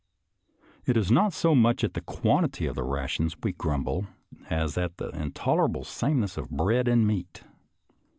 It is not so much at the quantity of rations we grumble, as at the intolerable sameness of bread and meat.